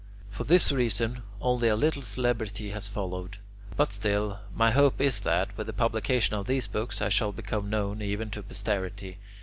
For this reason, only a little celebrity has followed; but still, my hope is that, with the publication of these books, I shall become known even to posterity.